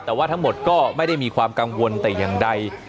แต่ว่าทั้งหมดก็ไม่ได้มีความกังวลแต่อย่างใด